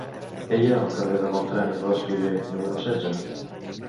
Què hi ha al carrer de Beltrán i Rózpide número setze?